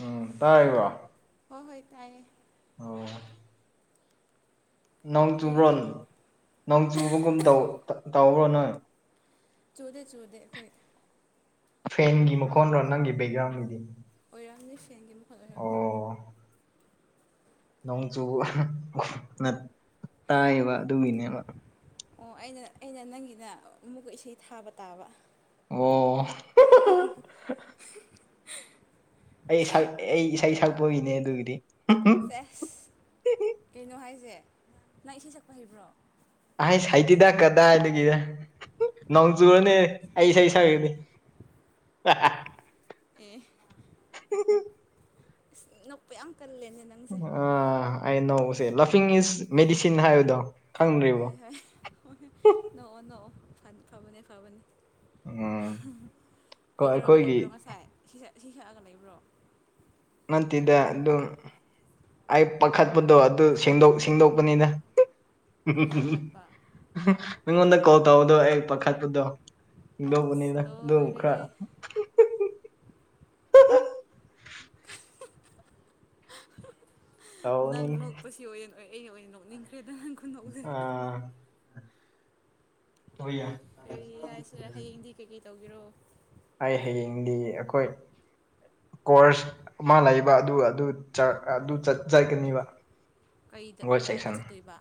ꯎꯝ ꯇꯥꯏꯕ ꯍꯣꯏ ꯍꯣꯏ ꯇꯥꯏꯌꯦꯦ ꯑꯣ ꯅꯣꯡ ꯆꯨꯕ꯭ꯔꯣ ꯀꯩꯒꯤꯗꯣ ꯅꯣꯡ ꯆꯨꯕꯒꯨꯝ ꯇꯧꯕ꯭ꯔꯣ ꯅꯣꯏ ꯆꯨꯗꯦ ꯆꯨꯗꯦ ꯍꯈꯣꯏ ꯐꯦꯟꯒꯤ ꯃꯈꯣꯟꯔꯣ ꯅꯪꯒꯤ ꯕꯦꯛꯒ꯭ꯔꯥꯎꯟꯒꯤꯗꯤ ꯑꯣꯏꯔꯝꯅꯤ ꯁꯦꯟꯒꯤ ꯃꯈꯠ ꯑꯣꯏꯔꯝꯅꯤ ꯅꯣꯡꯆꯨꯅ ꯇꯥꯏꯌꯦꯕ ꯑꯗꯨꯒꯤꯅꯦꯕ ꯑꯣ ꯑꯩꯅ ꯑꯩꯅ ꯅꯪꯒꯤꯅ ꯑꯃꯨꯛꯀ ꯏꯁꯩ ꯊꯥꯕ ꯇꯥꯕ ꯑꯣ [unintelligible] ꯑꯩ ꯁꯛ ꯑꯩ ꯏꯁꯩ ꯁꯛꯄꯒꯤꯅꯦ ꯑꯗꯨꯒꯤꯗꯤ ꯑꯦꯁ ꯀꯩꯅꯣ ꯍꯥꯏꯁꯦ ꯅꯪ ꯏꯁꯩ ꯁꯛꯄ ꯍꯩꯕ꯭ꯔꯣ ꯑꯩꯍ ꯁꯩꯇꯤꯗꯥꯛ ꯀꯗꯥꯏꯗꯒꯤ ꯅꯣꯡꯖꯨꯔꯅꯦ ꯑꯩ ꯏꯁꯩ ꯁꯛꯅꯤ ꯑ ꯑꯦ ꯎꯝ ꯎ ꯅ ꯄꯦ ꯑꯪꯀ ꯂ ꯂꯩꯅꯦꯅ ꯑ ꯑꯩꯅꫭꯕꯁꯦ ꯂꯚꯤꯡ ꯏꯁ ꯃꯦꯗꯤꯁꯤꯟ ꯍꯥꯏꯕꯗꯣ ꯈꯪꯗ꯭ꯔꯤꯕꯣ ꯍꯣꯏ ꯍꯣꯏ ꯅꯣꯛꯑꯣ ꯅꯣꯛꯑꯣ ꯐꯕꯅꯦ ꯐꯕꯅꯦ ꯎꯝ ꯍꯣꯏ ꯀꯩꯗꯧꯔꯒ ꯑꯩꯈꯣꯏꯒꯤ ꯂꯩꯕ꯭ꯔꯣ ꯉꯁꯥꯏ ꯍ ꯁꯛꯑꯒ ꯂꯩꯕ꯭ꯔꯣ ꯅꯠꯇꯦꯗ ꯑꯗꯨ ꯑꯩ ꯄꯥꯈꯠꯄꯗꯣ ꯑꯗꯨ ꯁꯦꯡꯗꯣꯛꯄꯅꯤꯅ ꯀꯔꯤ ꯄꯥꯈꯠꯄ ꯅꯪꯉꯣꯟꯗ ꯀꯣꯜ ꯇꯧꯕꯗꯣ ꯑꯩ ꯄꯥꯈꯠꯄꯨꯗꯣ ꯑꯁ ꯂꯧꯕꯅꯤꯅ ꯑꯗꯨ ꯂꯣꯏꯔꯦꯍꯦ ꯈꯔ ꯎꯝ ꯅꯪ ꯇꯧꯕꯅꯤꯅꯦ ꯅꯣꯛꯄꯁꯤ ꯑꯣꯏꯅ ꯑꯣꯏ ꯑꯩꯅ ꯑꯣꯏꯅ ꯅꯣꯛꯅꯤꯡꯈ꯭ꯔꯦꯗ ꯅꯪ ꯈꯨꯟꯗꯣꯛꯁ ꯑ ꯀꯔꯤ ꯍꯥꯏꯁꯤꯔꯦ ꯍꯌꯦꯡꯗꯤ ꯀꯩꯀꯩ ꯇꯧꯒꯦꯔꯣ ꯑꯩ ꯍꯌꯦꯡꯗꯤ ꯑꯩꯈꯣꯏ ꯀꯣꯔꯁ ꯑꯃ ꯂꯩꯕ ꯑꯗꯨ ꯑꯗꯨ ꯑꯗꯨ ꯆꯠꯀꯅꯤꯕ ꯀꯩꯗ ꯋꯥꯔꯜ ꯁꯦꯛꯁꯟ ꯀꯗꯥꯏꯗ ꯆꯠꯇꯣꯏꯕ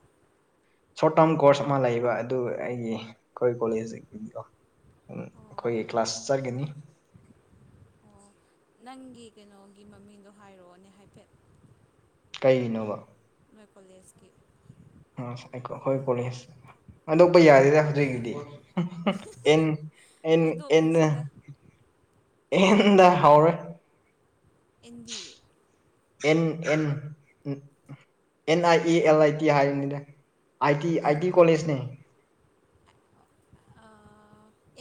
ꯁꯣꯔꯠ ꯇꯥꯔꯝ ꯀꯣꯔꯁ ꯑꯃ ꯂꯩꯕ ꯑꯗꯨ ꯑꯩꯒꯤ ꯑꯩꯈꯣꯏ ꯀꯣꯂꯦꯖꯒꯤꯀꯣ ꯑꯣ ꯑꯩꯈꯣꯏꯒꯤ ꯀ꯭ꯂꯥꯁ ꯆꯠ ꯆꯒꯅꯤ ꯑꯣ ꯅꯪꯒꯤ ꯀꯩꯅꯣꯒꯤ ꯃꯃꯤꯡꯗꯣ ꯍꯥꯏꯔꯛꯑꯣꯅꯦ ꯍꯥꯏꯐꯦꯠ ꯀꯅꯣꯕ ꯃꯣꯏ ꯀꯣꯂꯦꯖꯀꯤ ꯎ ꯍꯣꯏ ꯀꯣꯦꯁ ꯑꯗꯣꯞꯄ ꯌꯥꯔꯤ ꯍꯧꯗꯤ ꯑꯦꯟ ꯑꯦ ꯑꯦꯟꯅ ꯍꯥꯏꯗꯣꯛꯈ꯭ꯔꯁꯤꯗ ꯍꯟꯗ ꯍꯥꯎꯔꯦ N B A N N N I A L I T ꯍꯥꯏꯕꯅꯤꯅꯦ ꯑꯦ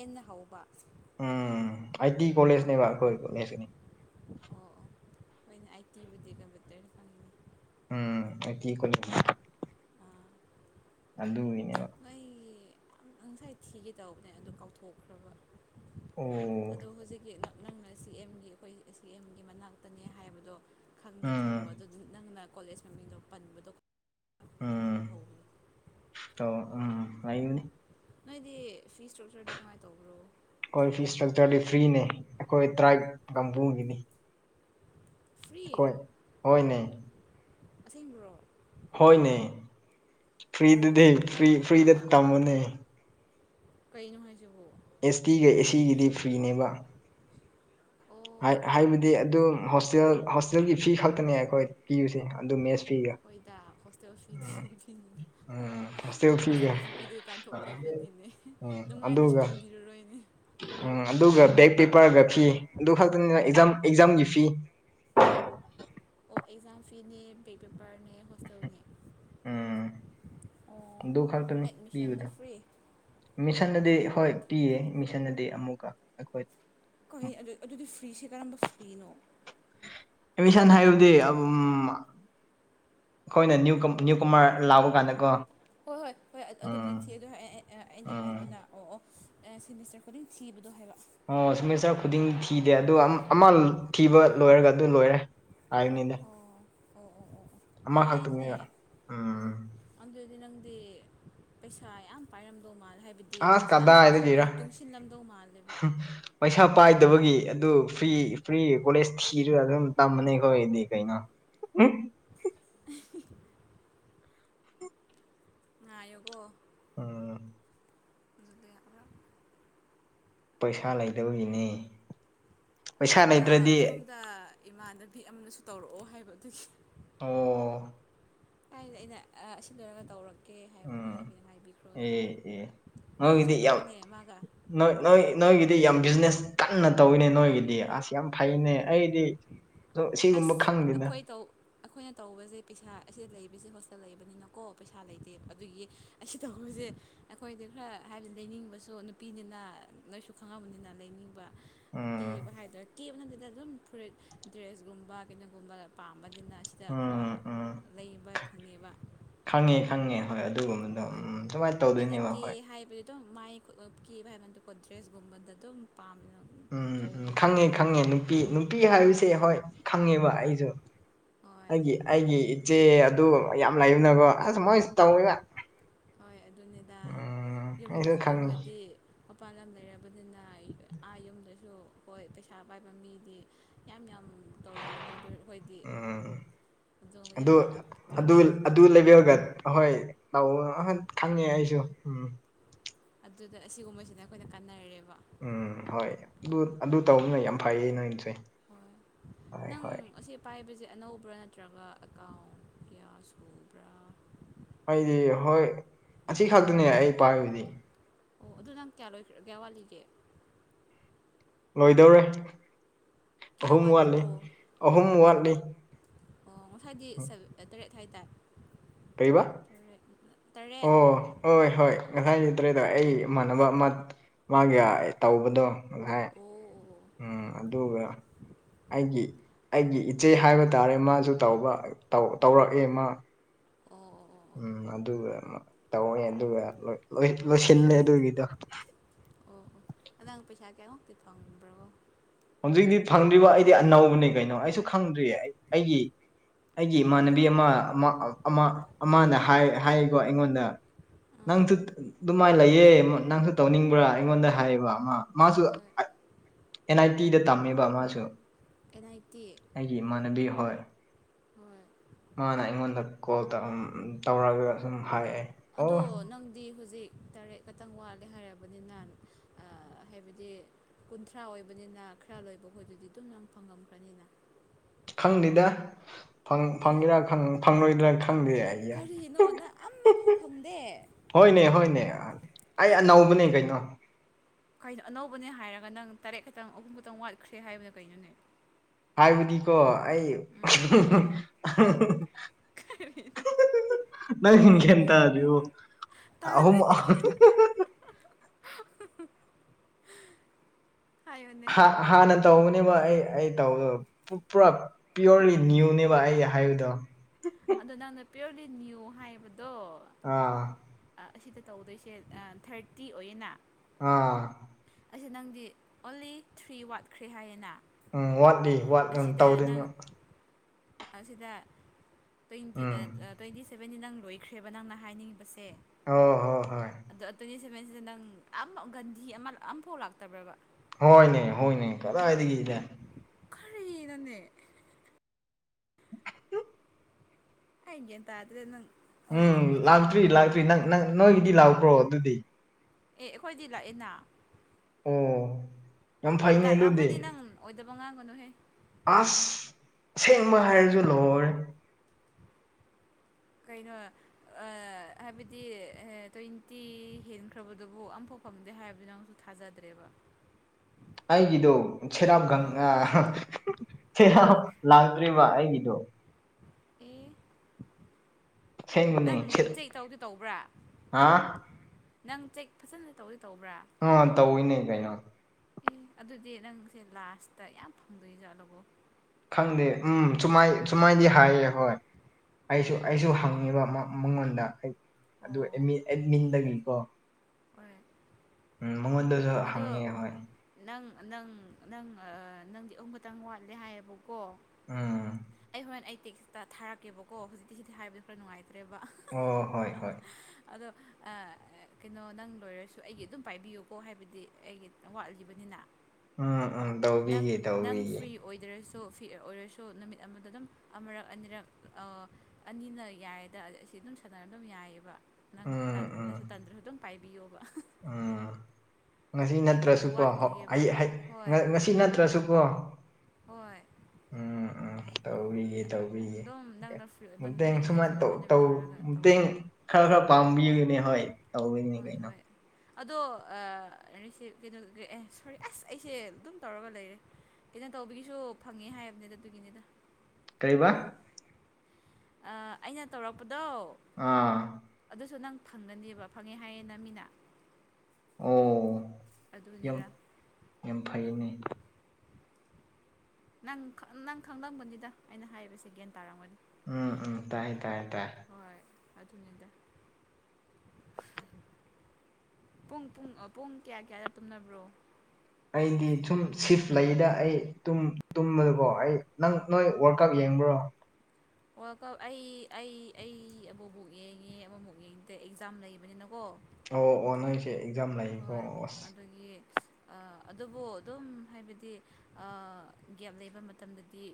ꯏꯟꯅ ꯍꯧꯕ ꯎꯝ ꯑꯥꯏ ꯇꯤ ꯀꯣꯂꯦꯖꯅꯦꯕ ꯑꯩꯈꯣꯏ ꯀꯣꯂꯦꯖꯀꯤꯅꯤ ꯑꯣ ꯑꯣ ꯍꯅꯦ ꯑꯥꯏ ꯇꯤꯕꯨꯗꯤ ꯀꯝꯄ꯭ꯌꯨꯇꯔ ꯐꯪꯏ ꯎꯝ ꯀ ꯑꯗꯨꯕꯨꯉꯦ ꯑꯩ ꯉꯁꯥꯏ ꯊꯤꯒꯦ ꯇꯧꯕꯅꯦ ꯑꯗꯨ ꯀꯥꯎꯊꯣꯛꯈ꯭ꯔꯕ ꯑꯣ ꯑꯗꯣ ꯍꯧꯖꯤꯛꯀꯤ ꯅꯪꯅ ꯁꯤ ꯑꯦꯝꯒꯤ ꯑꯩꯈꯣꯏ ꯁꯤ ꯑꯦꯝꯒꯤ ꯃꯅꯥꯛꯇꯅꯦ ꯍꯥꯏꯕꯗꯣ ꯈꯪꯗꯦ ꯎꯝ ꯈꯪꯕ ꯑꯗꯨꯗꯤ ꯅꯪꯅ ꯀꯣꯂꯦꯖ ꯃꯃꯤꯡꯗꯣ ꯄꯟꯕꯗꯣ ꯎꯝ ꯍꯧꯕꯅꯦ ꯑꯣ ꯑꯗꯨꯒꯤ ꯎꯝ ꯍꯥꯏꯅꯦ ꯅꯣꯏꯗꯤ ꯐꯤ ꯏꯁꯇ꯭ꯔꯛꯆꯔꯗꯤ ꯀꯃꯥꯏꯅ ꯇꯧꯕ꯭ꯔꯣ ꯑꯩꯈꯣꯏ ꯐꯤ ꯌꯥꯝꯕ꯭ꯔꯥ ꯏꯁꯇ꯭ꯔꯛꯆꯔꯗꯤ ꯐ꯭ꯔꯤꯅꯦ ꯑꯩꯈꯣꯏ ꯇ꯭ꯔꯥꯏꯞ ꯀꯥꯡꯕꯨꯒꯤꯅꯤ ꯐ꯭ꯔꯤꯌꯦ ꯑꯩꯈꯣꯏ ꯍꯣꯏꯅꯦ ꯑꯁꯦꯡꯕ꯭ꯔꯣ ꯍꯣꯏꯅꯦ ꯑꯣ ꯐ꯭ꯔꯤꯗꯗꯤ ꯐ꯭ꯔꯤ ꯑꯦ ꯐ꯭ꯔꯤꯗ ꯇꯝꯃꯣꯅꯦ ꯀꯥꯏꯩꯅꯅꯨꯡ ꯍꯥꯏꯖꯕꯨ ꯑꯦꯁ ꯇꯤꯒ ꯑꯦꯁꯤꯒꯤꯗꯤ ꯐ꯭ꯔꯤꯅꯦꯕ ꯑꯣ ꯍꯥꯏꯕꯗꯤ ꯑꯗꯨꯝ ꯍꯣꯁꯇꯦꯜ ꯑꯗꯨꯜꯒꯤ ꯐꯤ ꯈꯛꯇꯅꯦ ꯑꯩꯈꯣꯏ ꯄꯤꯌꯨꯁꯦ ꯑꯗꯨ ꯃꯦꯁ ꯐꯤꯒ ꯍꯣꯏꯗ ꯍꯣꯁꯇꯦꯜ ꯐꯤꯗꯤ ꯎꯝ ꯄꯤꯅꯤꯅ ꯎꯝ ꯐꯁ ꯐꯤꯒ ꯍꯣꯁꯇꯦꯜ ꯐꯤ ꯄꯤꯗꯣꯏ ꯇꯥꯟꯊꯣꯛꯄꯤꯈ꯭ꯔꯅꯤꯅꯦ ꯎꯝ ꯅꯨꯡꯉꯥꯏꯅꯁꯨ ꯑꯗꯨꯒꯒ ꯊꯝꯕꯤꯔꯔꯣꯏꯅꯦ ꯎꯝ ꯑꯗꯨꯒ ꯕꯦꯛ ꯄꯦꯄꯔꯒ ꯐꯤ ꯑꯗꯨ ꯈꯛꯇꯅꯤꯅ ꯑꯦꯛꯖꯥꯝ ꯑꯦꯛꯖꯥꯝꯒꯤ ꯐꯤ ꯑꯣ ꯑꯦꯛꯖꯥꯝ ꯐꯤꯅꯦ ꯕꯦꯦꯛ ꯄꯦꯄꯔꯅꯦ ꯍꯣꯁꯇꯦꯜꯅꯦ ꯎꯝ ꯑꯣ ꯑꯗꯨ ꯑꯦꯗꯃꯤꯁꯟꯟꯅ ꯐ꯭ꯔꯤ ꯃꯤꯁꯟꯅꯗꯤ ꯍꯣꯏ ꯄꯤꯌꯦ ꯃꯤꯁꯟꯅꯗꯤ ꯑꯃꯨꯛꯀ ꯑꯩꯈꯣꯏ ꯀꯣꯏ ꯑꯗꯨ ꯑꯗꯨꯗꯤ ꯐ꯭ꯔꯤꯁꯦ ꯀꯔꯝꯕ ꯐ꯭ꯔꯤꯅꯣ ꯑꯦꯃꯤꯁꯟ ꯍꯥꯏꯕꯗꯤ ꯎꯝ ꯑꯩꯈꯣꯏꯅ ꯅ꯭ꯌꯨꯀꯨꯃꯥꯔ ꯂꯥꯛꯕ ꯀꯥꯟꯗ ꯀꯣ ꯍꯣꯏ ꯍꯣꯏ ꯍꯣꯏ ꯑꯗꯨꯕꯨꯗꯤ ꯊꯤ ꯑꯗꯨ ꯑꯩꯅ ꯎꯝ ꯍꯥꯏꯕꯅ ꯑꯣ ꯑꯣ ꯁꯦꯃꯤꯁꯇꯔ ꯈꯨꯗꯤꯡ ꯊꯤꯕꯗꯣ ꯍꯥꯏꯕ ꯑꯣ ꯁꯃꯤꯁꯔ ꯈꯨꯗꯤꯡ ꯊꯤꯗꯦ ꯑꯗꯨ ꯑꯃ ꯊꯤꯕ ꯂꯣꯏꯔꯒ ꯑꯗꯨ ꯂꯣꯏꯔꯦ ꯍꯥꯏꯥꯏꯅꯤꯅꯦ ꯑꯣ ꯑꯣ ꯑꯣ ꯑꯣ ꯑꯣ ꯌꯥꯏꯅꯦ ꯎꯝ ꯑꯗꯨꯗꯤ ꯅꯪꯗꯤ ꯄꯩꯁꯥ ꯌꯥꯝ ꯄꯥꯏꯔꯝꯗꯧ ꯃꯥꯜꯂꯦ ꯍꯥꯏꯕꯗꯤ ꯗꯤ ꯑꯁ ꯄꯩꯁꯥ ꯌꯥꯝ ꯇꯨꯡꯁꯤꯟ ꯀꯗꯥꯏꯗꯒꯤꯔ ꯇꯨꯡ ꯇꯨꯡꯁꯤꯜꯂꯝꯗꯧ ꯃꯥꯜꯂꯦꯕ ꯄꯩꯁꯥ ꯄꯥꯏꯗꯕꯒꯤ ꯑꯗꯨ ꯐ꯭ꯔꯤ ꯐ꯭ꯔꯤꯒꯤ ꯀꯣꯂꯦꯖ ꯊꯤꯔꯒ ꯑꯗꯨꯝ ꯇꯝꯕꯅꯦ ꯑꯩꯈꯣꯏꯗꯤ ꯀꯩꯅꯣ ꯉꯥꯏꯌꯣꯀꯣ ꯎꯝ ꯑꯂꯗꯨꯅ ꯄꯩꯁꯥ ꯂꯩꯇꯕꯒꯤꯅꯦ ꯄꯩꯁꯥ ꯂꯩꯇ꯭ꯔꯗꯤ ꯇ ꯏꯃꯥꯟꯅꯕꯤ ꯑꯃꯅꯁꯨ ꯇꯧꯔꯛꯑꯣ ꯍꯥꯏꯕ ꯑꯗꯨꯒꯤ ꯑꯣ ꯍꯥꯏꯗ ꯑꯩꯅ ꯑ ꯑꯁꯤ ꯂꯣꯏꯔꯒ ꯇꯧꯔꯛ ꯀꯦ ꯍꯥꯏꯕꯟ ꯎꯝ ꯍꯥꯏꯕꯤ ꯍꯥꯏꯕꯤꯈ꯭ꯔꯣꯅ ꯑꯦ ꯑꯦ ꯅꯪꯁꯨ ꯅꯣꯏꯒꯤꯗꯤ ꯌꯥꯝ ꯁꯥꯟꯅꯧꯅꯦ ꯃꯥꯒ ꯅꯣꯏ ꯅꯣꯏ ꯅꯣꯏꯒꯤꯗꯤ ꯌꯥꯝ ꯕꯤꯖꯤꯅꯦꯁ ꯀꯟꯅ ꯇꯧꯋꯤꯅꯦ ꯅꯣꯏꯒꯤꯗꯤ ꯑꯁ ꯌꯥꯝ ꯐꯩꯅꯦ ꯑꯩꯗꯤ ꯗꯨ ꯑꯁꯤꯒꯨꯝꯕ ꯑꯁ ꯈꯪꯗꯦꯗ ꯑꯩꯈꯣꯏ ꯇꯧ ꯑꯩꯈꯣꯏꯅ ꯇꯧꯕꯖꯦ ꯄꯩꯁꯥ ꯑꯁꯤꯗ ꯂꯩꯕꯖꯦ ꯍꯣꯁꯇꯦꯜ ꯂꯩꯕꯅꯤꯅꯀꯣ ꯄꯩꯁꯥ ꯂꯩꯇꯦ ꯑꯗꯨꯒꯤ ꯑꯁꯤ ꯇꯧꯕꯖꯦ ꯑꯩꯈꯣꯏꯗ ꯈꯔ ꯍꯥꯏꯕꯗꯤ ꯂꯩꯅꯤꯡꯕꯁꯨ ꯅꯨꯄꯤꯅꯤꯅ ꯅꯣꯏꯁꯨ ꯈꯪꯉꯝꯃꯅꯤꯅ ꯂꯩꯅꯤꯡꯕ ꯎꯝ ꯀꯦꯕ ꯍꯥꯏꯗ꯭ꯔꯠ ꯍꯩꯅꯗꯦꯗ ꯑꯗꯨꯝ ꯐꯨꯔꯤꯠ ꯗ꯭ꯔꯦꯁꯒꯨꯝꯕ ꯀꯩꯅꯣꯒꯨꯝꯕ ꯄꯥꯝꯕꯅꯤꯅ ꯑꯁꯤ ꯁꯤꯗ ꯈꯔ ꯎꯝ ꯎꯝ ꯂꯩꯕ ꯐꯪꯉꯦꯕ ꯈꯪꯉꯦ ꯈꯪꯉꯦ ꯍꯣꯏ ꯑꯗꯨꯒꯨꯝꯕꯗꯣ ꯎꯝ ꯑꯗꯨꯃꯥꯏ ꯇꯧꯗꯣꯏꯅꯦꯕ ꯑꯈꯣꯏ ꯑꯇꯨꯝ ꯃꯥꯏ ꯈꯨꯠꯑꯣꯏ ꯀꯦꯕ ꯍꯥꯏꯕ ꯅꯠꯇꯦꯀꯣ ꯗ꯭ꯔꯦꯁꯒꯨꯝꯕꯗ ꯑꯗꯨꯝ ꯄꯥꯝꯃꯤꯗꯅ ꯎꯝ ꯎꯝ ꯈꯪꯉꯦ ꯈꯪꯉꯦ ꯅꯨꯄꯤ ꯅꯨꯄꯤ ꯍꯥꯏꯕꯁꯦ ꯍꯣꯏ ꯈꯪꯉꯦꯕ ꯑꯩꯖꯨ ꯍꯣꯏ ꯑꯩꯒꯤ ꯑꯩꯒꯤ ꯏꯆꯦ ꯑꯗꯨ ꯌꯥꯝ ꯂꯩꯕꯅꯀꯣ ꯑꯁ ꯃꯣꯏꯁꯨ ꯇꯧꯋꯦꯕ ꯍꯣꯏ ꯑꯗꯨꯅꯤꯗꯥ ꯎꯝ ꯑꯩꯁꯨ ꯌꯨꯝꯗ꯭ꯁ ꯈꯪꯉꯤ ꯌꯨꯝꯗꯗꯤ ꯃꯄꯥꯟ ꯂꯝ ꯂꯩꯔꯕꯅꯤꯅ ꯥ ꯂꯩꯒ꯭ꯔꯦ ꯑꯃꯥ ꯌꯨꯝꯗꯁꯨ ꯍꯣꯏ ꯄꯩꯁꯥ ꯄꯥꯏꯕ ꯃꯤꯗꯤ ꯌꯥꯝ ꯌꯥꯝ ꯇꯧꯔꯝꯒꯅꯤ ꯑꯗꯨ ꯑꯩꯈꯣꯏꯗꯤ ꯎꯝ ꯑꯗꯨꯒꯨꯝꯕ ꯌꯥꯝ ꯑꯗꯨ ꯌꯥꯝ ꯑꯗꯨ ꯇꯧꯗꯕꯅꯤꯅ ꯑꯗꯨ ꯂꯦꯕꯦꯜꯒ ꯍꯣꯏ ꯇꯧꯒꯅꯣ ꯑꯍꯟ ꯈꯪꯉꯦ ꯑꯩꯁꯨ ꯎꯝ ꯑꯗꯨꯗ ꯑꯁꯤꯒꯨꯝꯕꯁꯤꯅ ꯑꯩꯈꯣꯏꯗ ꯀꯥꯟꯅꯔꯦꯕ ꯎꯝ ꯍꯣꯏ ꯑꯗꯨꯠ ꯑꯗꯨ ꯇꯧꯕꯅ ꯌꯥꯝ ꯐꯩꯌꯦ ꯅꯣꯏꯟꯆꯩ ꯍꯣꯏ ꯅꯪ ꯑꯁꯤꯞ ꯄꯥꯏꯕꯁꯦ ꯑꯅꯧꯕꯔꯥ ꯅꯠꯇ꯭ꯔꯒ ꯑꯦꯀꯥꯎꯟ ꯀꯌꯥ ꯁꯨꯕ꯭ꯔꯥ ꯑꯩꯗꯤ ꯍꯣꯏ ꯑꯁꯤ ꯈꯛꯇꯅꯦ ꯑꯩ ꯄꯥꯏꯕꯗꯤ ꯑꯣ ꯑꯗꯨ ꯅꯪ ꯀꯌꯥ ꯂꯣꯏꯈ꯭ꯔꯦ ꯀꯌꯥ ꯋꯥꯠꯂꯤꯒꯦ ꯂꯣꯏꯗꯧꯔꯦ ꯀꯌꯥ ꯑꯍꯨꯝ ꯋꯥꯠꯂꯤ ꯋꯥꯠꯄ꯭ꯔꯣ ꯑꯍꯨꯝ ꯋꯥꯠꯂꯤ ꯑꯣ ꯉꯁꯥꯏꯗꯤ ꯁꯞ ꯇꯔꯦꯠ ꯍꯥꯏꯗꯥꯏ ꯀꯩꯕꯥ ꯇꯔꯦꯠ ꯑꯣ ꯍꯣꯏ ꯍꯣꯏ ꯉꯁꯥꯏ ꯅꯠꯇ꯭ꯔꯦꯗ ꯑꯩ ꯏꯃꯥꯟꯅꯕ ꯑꯃ ꯃꯥꯒ ꯇꯧꯕꯗꯣ ꯉꯁꯥꯏ ꯑꯣ ꯑꯣ ꯎꯝ ꯑꯗꯨꯒ ꯑꯩꯒꯤ ꯑꯩꯒꯤ ꯏꯆꯦ ꯍꯥꯏꯕ ꯇꯥꯔꯦ ꯃꯥꯖꯨ ꯇꯧꯕ ꯇꯧ ꯇꯧꯔꯛꯑꯦ ꯃꯥ ꯑꯣ ꯑꯣ ꯑꯣ ꯎꯝ ꯑꯗꯨꯒ ꯇꯧꯋꯦ ꯑꯗꯨꯒ ꯂꯣꯏ ꯂꯣꯏ ꯂꯣꯏꯁꯤꯜꯂꯦ ꯑꯗꯨꯒꯤꯗꯣ ꯑꯣ ꯑꯣ ꯑꯅꯡ ꯄꯩꯁꯥ ꯀꯌꯥꯃꯨꯛꯇꯤ ꯐꯪꯕ꯭ꯔꯣ ꯍꯧꯖꯤꯛꯇꯤ ꯐꯪꯗ꯭ꯔꯤꯕ ꯑꯩꯗꯤ ꯑꯅꯧꯕꯅꯦ ꯀꯩꯅꯣ ꯑꯩꯁꯨ ꯈꯪꯗ꯭ꯔꯤꯌꯦ ꯑꯩ ꯑꯩꯒꯤ ꯑꯩꯒꯤ ꯑꯦ ꯏꯃꯥꯟꯅꯕꯤ ꯑꯃ ꯑꯃ ꯑꯃ ꯑꯃꯅ ꯍꯥꯏ ꯍꯥꯏ ꯕ ꯑꯩꯉꯣꯟꯗ ꯑꯥ ꯅꯪꯁꯨ ꯑꯗꯨꯃꯥꯏ ꯂꯩꯌꯦ ꯅꯪꯁꯨ ꯇꯧꯅꯤꯡꯕ꯭ꯔꯥ ꯑꯩꯉꯣꯟꯗ ꯍꯥꯏꯌꯦꯕ ꯑꯃ ꯃꯥꯁꯨ ꯍꯣꯏ ꯑꯦꯟ ꯑꯥꯏ ꯇꯤꯗ ꯇꯝꯃꯦꯕ ꯃꯥꯁꯨ ꯑꯦꯟ ꯑꯥꯏ ꯇꯤ ꯑꯩꯒꯤ ꯏꯃꯥꯟꯅꯕꯤ ꯍꯣꯏ ꯍꯣꯏ ꯃꯥꯅ ꯑꯩꯉꯣꯟꯗ ꯀꯣꯜ ꯇꯧꯔꯒ ꯁꯨꯝ ꯍꯥꯏꯔꯛꯑꯦ ꯑꯣ ꯑꯗꯣ ꯅꯪꯗꯤ ꯍꯧꯖꯤꯛ ꯇꯔꯦꯠ ꯈꯤꯇꯪ ꯋꯥꯠꯂꯦ ꯍꯥꯏꯔꯕꯅꯤꯅꯍ ꯍꯥꯏꯕꯗꯤ ꯀꯨꯟꯊ꯭ꯔꯥ ꯑꯣꯏꯕꯅꯤꯅ ꯈꯔ ꯂꯣꯏꯕꯈꯣꯏꯗꯨꯗꯤ ꯑꯗꯨꯝ ꯌꯥꯝ ꯐꯪꯉꯝꯈ꯭ꯔꯅꯤꯅ ꯈꯪꯗꯦꯗ ꯑꯦ ꯐꯪꯒꯦꯔ ꯐꯪꯂꯣꯏꯗ꯭ꯔꯥ ꯈꯪꯗꯦ ꯑꯩ ꯑꯌꯥ ꯀꯔꯤꯅꯣ ꯅꯪ ꯑꯃꯐꯥꯎ ꯐꯪꯗꯦ ꯍꫭꯏꯅꯦ ꯍꫭꯏꯅꯦ ꯑ ꯑꯩ ꯑꯦ ꯑꯅꯧꯕꯅꯦ ꯀꯩꯅꯣ ꯀꯩꯅꯣ ꯑꯅꯧꯕꯅꯦ ꯍꯥꯏꯔꯒ ꯅꯪ ꯇꯔꯦꯠ ꯈꯛꯇꯪ ꯑꯍꯨꯝ ꯈꯛꯇꯪ ꯋꯥꯠꯈ꯭ꯔꯦ ꯍꯥꯏꯕꯅ ꯀꯩꯅꯣꯅꯦ꯫ ꯍꯥꯏꯕꯗꯤꯀꯣ ꯑꯩ ꯎꯝ ꯀꯔꯤꯅꫭ ꯅꯪ ꯒ꯭ꯌꯥꯟ ꯇꯥꯗꯔꯤꯕꫭ ꯑꯍꯨꯝ ꯑ ꯍꯥꯏꯕꯅꯦ ꯑꯍꯥꯟꯅ ꯇꯧꯕꯅꯦꯕ ꯑꯩ ꯑꯩ ꯇꯧꯕꯗꯨ [unintelligible] ꯄꯨꯔꯥ ꯄꯤꯌꯣꯔꯂꯤ ꯅ꯭ꯌꯨꯅꯦꯕ ꯑꯩ ꯍꯥꯏꯕꯗꯣ ꯑꯗꯣ ꯅꯪꯅ ꯄꯤꯌꯣꯔꯂꯤ ꯅ꯭ꯌꯨ ꯍꯥꯏꯕꯗꯣ ꯑꯥ ꯑꯥ ꯑꯁꯤꯗ ꯇꯧꯗꯣꯏꯁꯦ ꯑꯥ ꯊꯥꯔꯇꯤ ꯑꯣꯏꯌꯦꯅ ꯑꯥ ꯑꯁꯤ ꯅꯪꯗꯤ ꯑꯣꯜꯂꯤ ꯊ꯭ꯔꯤ ꯋꯥꯠꯈ꯭ꯔꯦ ꯍꯥꯏꯌꯦꯅ ꯎꯝ ꯋꯥꯠꯂꯤ ꯋꯥꯠ ꯎꯝ ꯑꯁꯤꯗ ꯇꯧꯗꯣꯏꯅ꯭ꯌꯣ ꯅꯪ ꯎꯝ ꯑꯁꯤꯗ ꯇꯣꯏꯟꯇꯤ ꯎꯝ [unintelligible] ꯇꯣꯏꯟꯇꯤ ꯁꯚꯦꯟꯗꯤ ꯅꯪ ꯂꯣꯏꯈ꯭ꯔꯦꯕ ꯅꯪꯅ ꯍꯥꯏꯅꯤꯡꯉꯤꯕꯁꯦ ꯑꯧ ꯍꯣ ꯍꯣꯏ ꯑꯗꯣ ꯇ꯭ꯋꯦꯟꯇꯤ ꯁꯚꯦꯟꯁꯤꯗ ꯅꯪ ꯑꯝꯐꯎ ꯒꯟꯙꯤ ꯑꯃꯥ ꯑꯝꯐꯥꯎ ꯂꯥꯛꯇꯕ꯭ꯔꯕ? ꯍꯣꯏꯅꯦ ꯍꯣꯏꯅꯦ ꯀꯗꯥꯏꯗꯒꯤꯗ ꯈꯥꯔꯤꯅꯣꯅꯦ? ꯑꯩ ꯒ꯭ꯌꯦꯟ ꯇꯥꯗ꯭ꯔꯦ ꯅꯪ ꯑꯣꯏ ꯅꯪ ꯎꯝ ꯑꯣꯏꯗꯕ ꯂꯥꯛꯇ꯭ꯔꯤ ꯉꯥꯡꯕ ꯂꯥꯛꯇ꯭ꯔꯤ ꯃꯥꯜꯂꯦ ꯅꯪ ꯅꯪ ꯅꯣꯏꯒꯤꯗꯤ ꯂꯥꯛꯄ꯭ꯔꯣ ꯑꯗꯨꯗꯤ? ꯑꯦ ꯑꯈꯣꯏꯗꯤ ꯂꯥꯛꯑꯦꯅ꯫ ꯑꯣ ꯌꯥꯝ ꯐꯩꯅꯦ ꯑꯗꯨꯗꯤ ꯂꯥꯛꯔꯝꯒꯅꯤ ꯅꯪ ꯑꯣꯏꯗꯕ ꯉꯥꯡꯒꯅꯨꯍꯦ ꯑꯁ ꯑꯁꯦꯡꯕ ꯍꯥꯏꯔꯁꯨ ꯂꯣꯏꯔꯦ ꯀꯩꯅꯣꯏ [unintelligible] ꯍꯥꯏꯕꯗꯤ ꯑꯦꯍꯦ ꯇ꯭ꯋꯦꯟꯇꯤ ꯍꯦꯟꯈ꯭ꯔꯕꯗꯨꯕꯨ ꯑꯝꯐꯥꯎ ꯐꯪꯗꯦ ꯍꯥꯏꯕꯗꯨꯗꯤ ꯅꯪꯁꯨ ꯊꯥꯖꯗ꯭ꯔꯦꯕ ꯑꯩꯒꯤꯗꯣ ꯁꯦꯔꯞ ꯒꯪ ꯑꯧ ꯑꯥ [unintelligible] ꯁꯦꯔꯞ ꯂꯥꯛꯇ꯭ꯔꯤꯕ ꯑꯩꯒꯤꯗꯣ [inaudible] ꯑꯦ [inaudible] ꯑꯁꯦꯡꯕꯅꯦ ꯅꯪ ꯁꯦ ꯆꯦꯛ ꯇꯧꯗꯤ ꯇꯧꯕ꯭ꯔꯥ? ꯍꯥ [inaudible] ꯅꯪ ꯆꯦꯛ ꯐꯖꯅ ꯇꯧꯗꯤ ꯇꯧꯕ꯭ꯔꯥ? ꯑꯥ ꯇꯧꯋꯤꯅꯦ ꯀꯩꯅꯣ ꯑꯦ ꯑꯗꯨꯗꯤ ꯅꯪꯁꯦ ꯂꯥꯁꯇ ꯌꯥꯝ ꯐꯪꯗꯣꯏꯖꯥꯠꯂꯒꯣ ꯈꯪꯗꯦ ꯎꯝ ꯆꯨꯃꯥꯏ ꯆꯨꯃꯥꯏꯅꯗꯤ ꯍꯥꯏꯌꯦ ꯍꯣꯏ ꯑꯩꯁꯨ ꯑꯩꯁꯨ ꯑꯣ ꯍꯪꯉꯦꯕ ꯃꯥ ꯃꯉꯣꯟꯗ ꯑꯩ ꯑꯗꯨ ꯑꯣ ꯑꯦꯠꯃꯤ ꯑꯦꯠꯃꯤꯟꯗꯒꯤꯀꯣ ꯍꯣꯏ ꯎꯝ ꯃꯉꯣꯟꯗ ꯑꯗꯣ ꯅꯪ ꯑꯥ ꯅꯪ ꯑꯥ ꯅꯪ ꯑꯥ ꯅꯪꯒꯤ ꯑꯍꯨꯝ ꯈꯛꯇꯪ ꯋꯥꯠꯂꯦ ꯍꯥꯏꯌꯦꯕꯀꯣ ꯎꯝ ꯑꯩ ꯍꯣꯔꯦꯟ ꯑꯩ ꯇꯦꯛꯁꯇꯥ ꯊꯥꯔꯛꯀꯦꯕꯀꯣ ꯍꯧꯖꯤꯛꯇꯤ ꯁꯤꯗꯤ ꯍꯥꯏꯕꯗꯣ ꯈꯔ ꯅꯨꯡꯉꯥꯏꯇ꯭ꯔꯦꯕ ꯑꯣ ꯍꯣꯏ ꯍꯣꯏ [unintelligible] ꯑꯗꯣ ꯀꯩꯅꯣ ꯅꯪ ꯂꯣꯏꯔꯁꯨ ꯑꯩꯒꯤ ꯑꯗꯨꯝ ꯄꯥꯏꯕꯤꯌꯨꯀꯣ ꯍꯥꯏꯕꯗꯤ ꯑꯩꯒꯤ ꯋꯥꯠꯂꯤꯕꯅꯤꯅ ꯎꯝ ꯎꯝ ꯇꯧꯕꯤꯒꯦ ꯇꯧꯕꯤꯒꯦ ꯑꯣꯏꯗꯔꯁꯨ ꯐꯤ ꯑꯣꯏꯔꯁꯨ ꯅꯨꯃꯤꯠ ꯑꯃꯗ ꯑꯗꯨꯝ ꯑꯃꯨꯔꯛ ꯑꯅꯤꯔꯛ ꯑꯅꯤꯅ ꯌꯥꯏꯗ ꯑꯁꯤ ꯑꯗꯨꯝ ꯁꯥꯟꯅꯔ ꯑꯗꯨꯝ ꯌꯥꯏꯑꯕ ꯅꯪ ꯎꯝ ꯎꯝ ꯇꯜꯂꯁꯨ ꯇꯟꯗ꯭ꯔꯁꯨ ꯑꯗꯨꯝ ꯄꯥꯏꯕꯤꯌꯣꯕ ꯎꯝ ꯉꯁꯤ ꯑꯩꯒꯤꯗꯤ ꯅꯠꯇ꯭ꯔꯁꯨꯀꯣ ꯋꯥꯠꯂꯤꯌꯦꯕ ꯍꯣꯏ ꯉꯁꯤ ꯅꯠꯇ꯭ꯔꯁꯨ ꯀꯣ ꯍꯣꯏ ꯎꯝ ꯇꯧꯕꯤꯒꯦ ꯇꯧꯕꯤꯒꯦ ꯑꯗꯨꯝ ꯅꯪꯅ ꯐ꯭ꯔꯤ ꯑꯣꯏꯕ ꯃꯇꯦꯡ ꯅꯨꯃꯤꯠ ꯑꯩꯅ ꯁꯨꯃꯥꯏꯅ ꯐ꯭ꯔꯤ ꯑꯣꯏꯕ ꯅꯨꯃꯤꯠ ꯇꯧ ꯇꯧꯔꯒ ꯃꯇꯦꯡ ꯇꯧꯁꯦꯕ ꯈꯔ ꯈꯔ ꯄꯥꯡꯕꯤꯕꯅꯦ ꯍꯣꯏ ꯇꯧꯅꯤ ꯍꯣꯏ ꯀꯩꯅꯣ ꯍꯣꯏ ꯑꯗꯣ ꯔꯤꯁꯤꯞ ꯀꯩꯅꯣ ꯑꯦ ꯁꯣꯔꯤ ꯑꯁ ꯑꯩꯁꯦ ꯑꯗꯨꯝ ꯇꯧꯔꯒ ꯂꯩꯔꯦ ꯀꯩꯅꯣ ꯇꯧꯕꯒꯤꯁꯨ ꯐꯪꯉꯦ ꯍꯥꯏꯕꯅꯤꯗ ꯑꯗꯨꯒꯤꯅꯤꯗ ꯀꯔꯤꯕ ꯑꯩꯅ ꯇꯧꯔꯛꯄꯗꯣ ꯑꯥ ꯑꯗꯨꯁꯨ ꯅꯪ ꯐꯪꯒꯅꯦꯕ ꯐꯪꯉꯦ ꯍꯥꯏꯌꯦꯅ ꯃꯤꯅ ꯑꯣ ꯌꯥꯝ ꯑꯗꯨꯅꯤꯗ ꯌꯥꯝ ꯐꯩꯅꯤꯀꯣ ꯅꯪ ꯅꯪ ꯈꯪꯂꯝꯒꯅꯤꯗ ꯑꯩꯅ ꯍꯥꯏꯕꯁꯦ ꯒ꯭ꯌꯥꯟ ꯇꯥꯔꯝꯒꯅꯤ ꯎꯝ ꯎꯝ ꯇꯥꯏꯌꯦ ꯇꯥꯏꯌꯦ ꯇꯥꯏ ꯍꯣꯏ ꯑꯗꯨꯅꯤꯗ ꯄꯨꯡ ꯄꯨꯡ ꯄꯨꯡ ꯀꯌꯥ ꯀꯌꯥꯗ ꯇꯨꯝꯅꯕ꯭ꯔꯣ ꯑꯩꯗꯤ ꯁꯨꯝ ꯁꯤꯐ ꯂꯩꯗ ꯑꯩ ꯇꯨꯝꯕꯗꯨꯀꯣ ꯑꯩ ꯅꯪ ꯅꯣꯏ ꯋꯥꯔꯜꯀꯞ ꯌꯦꯡꯕ꯭ꯔꯣ ꯋꯥꯔꯜꯀꯞ ꯑꯩ ꯑꯩ ꯑꯩ ꯑꯃꯨꯛꯃꯨꯛ ꯌꯦꯡꯉꯦ ꯑꯃꯃꯨꯛ ꯌꯦꯡꯁꯦ ꯑꯦꯛꯖꯥꯝ ꯂꯩꯕꯅꯤꯅꯀꯣ ꯑꯣ ꯑꯣ ꯅꫭꯏꯒꯤ ꯍꯣꯏ ꯑꯗꯨꯒꯤ ꯑꯗꯨꯕꯨ ꯑꯗꯨꯝ ꯍꯥꯏꯕꯗꯤ ꯒꯦꯞ ꯂꯩꯕ ꯃꯇꯝꯗꯗꯤ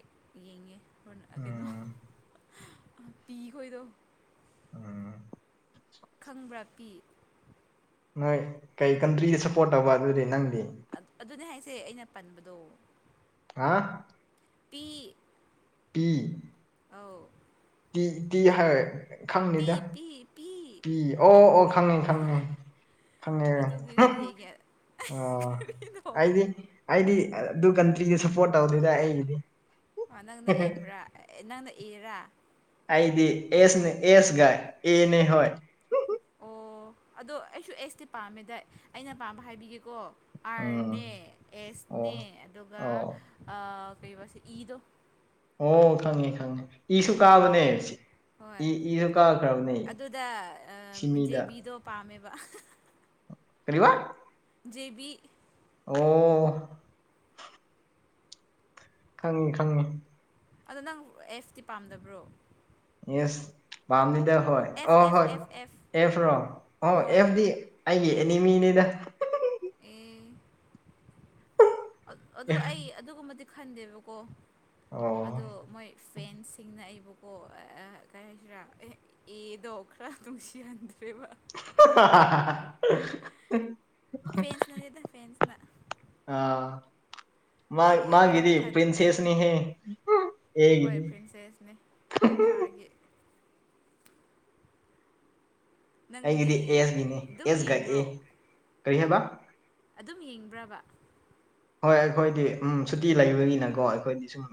ꯌꯦꯡꯉꯦ ꯀꯩꯅꯣ ꯎꯝ ꯄꯤꯈꯣꯏꯗꯣ ꯎꯝ ꯈꯪꯕ꯭ꯔꯥ ꯄꯤ ꯅꯣꯏ ꯀꯩ ꯀꯟꯇ꯭ꯔꯤꯗ ꯁꯞꯄꯣꯔꯠ ꯇꯧꯕ ꯑꯗꯨꯗꯤ ꯅꯪꯗꯤ ꯑꯗꯨꯅꯦ ꯍꯥꯏꯁꯦ ꯑꯩꯅ ꯄꯟꯕꯗꯣ ꯍꯥ ꯄꯤ ꯄꯤ ꯑꯧ ꯇꯤ ꯇꯤ ꯍꯥꯏꯔ ꯈꯪꯅꯤꯗ ꯄꯤ ꯄꯤ ꯄꯤ ꯑꯣ ꯑꯣ ꯈꯪꯉꯦ ꯈꯪꯉꯦ ꯈꯪꯉꯦ ꯑꯗꯨꯒꯤꯁꯨ ꯌꯦꯡꯉꯦ ꯑꯣ ꯀꯔꯤꯅꯣ ꯑꯩꯗꯤ ꯑꯩꯗꯤ ꯑꯗꯨ ꯀꯟꯇ꯭ꯔꯤꯗ ꯁꯞꯄꯣꯔꯠ ꯇꯧꯗꯦꯗ ꯑꯩꯒꯤꯗꯤ ꯅꯪꯅ ꯑꯦꯝ꯭ꯔꯥ ꯅꯪꯅ ꯑꯦꯔꯥ ꯑꯩꯗꯤ ꯑꯦꯁꯅꯦ ꯑꯦꯁ ꯒ ꯑꯦꯅꯦ ꯍꯣꯏ ꯑꯣ ꯑꯗꯣ ꯑꯩꯁꯨ ꯑꯦꯁ ꯇꯤ ꯄꯥꯝꯃꯦꯗ ꯑꯩꯅ ꯄꯥꯝꯕ ꯍꯥꯏꯕꯤꯒꯦꯀꯣ ꯎꯝ ꯑꯥꯔꯅꯦ ꯑꯣ ꯑꯦꯁꯅꯦ ꯑꯗꯨꯒ ꯑꯣ ꯀꯩꯕ ꯏꯗꯣ ꯑꯣ ꯈꯪꯉꯦ ꯈꯪꯉꯦ ꯏꯁꯨ ꯍꯣꯏ ꯀꯥꯕꯅꯦ ꯍꯣꯏ ꯏꯁꯨ ꯀꯥꯈ꯭ꯔꯕꯅꯦ ꯑꯗꯨꯗ ꯁꯤ ꯃꯤꯗ ꯖꯦꯕꯤꯗꯣ ꯄꯥꯝꯃꯦꯕ ꯀꯔꯤꯕ ꯖꯦꯕꯤ ꯑꯣ ꯑꯣ ꯈꯪꯉꯤ ꯈꯪꯉꯤ ꯑꯗꯣ ꯅꯪ ꯑꯦꯐꯇꯤ ꯄꯥꯝꯗꯕ꯭ꯔꯣ ꯌꯦꯁ ꯄꯝꯃꯤꯗ ꯍꯣꯏ ꯑ ꯑꯦꯐ ꯑꯦꯐ ꯍꯣꯏ ꯑꯦꯐ ꯑꯦꯐ ꯔꯣ ꯑꯣ ꯍꯣꯏ ꯑꯦꯐꯗꯤ ꯑꯩꯒꯤ ꯑꯦꯅꯤꯃꯤꯅꯤꯗ ꯑꯦ ꯑꯗꯨ ꯑꯩ ꯑꯗꯨꯒꯨꯝꯕꯗꯤ ꯈꯟꯗꯦꯕꯀꯣ ꯑꯣ ꯑꯗꯣ ꯃꯣꯏ ꯐꯦꯟꯁꯤꯡꯅ ꯑꯩꯕꯨ ꯑꯣ ꯀꯔꯤꯒꯤꯔꯥ ꯑꯦ ꯑꯦꯗꯣ ꯈꯔ ꯅꯨꯡꯁꯤꯍꯟꯗ꯭ꯔꯦꯕ [unintelligible] ꯐꯦꯟꯁꯅꯅꯤꯗ ꯐꯦꯟꯁꯅ ꯑꯥ ꯃꯥ ꯑꯩ ꯀꯔꯤꯝ ꯈꯟꯗꯦ ꯃꯥꯒꯤꯗꯤ ꯈꯠ ꯄꫪꯤꯟꯁꯦꯅꯤꯅꯦ ꯍꯣꯏ ꯑꯦꯒꯤꯗꯤ ꯄ꯭ꯔꯤꯟꯁꯦꯁꯅꯦ ꯐꯤꯐꯥꯒꯤ ꯅꯪꯗꯤ ꯑꯩꯒꯤꯗꯤ ꯑꯦꯁꯅꯤꯅꯦ ꯑꯗꯨꯝ ꯑꯦꯁꯒꯥꯏ ꯑꯦ ꯌꯦꯡꯕ꯭ꯔꯣ ꯀꯔꯤ ꯍꯥꯏꯕ ꯑꯗꯨꯝ ꯌꯦꯡꯕ꯭ꯔꯕ ꯍꯣꯏ ꯑꯩꯈꯣꯏꯗꯤ ꯎꯝ ꯁꯨꯇꯤ ꯂꯩꯕꯒꯤꯅꯀꯣ ꯑꯩꯈꯣꯏꯗꯤ ꯁꯨꯝ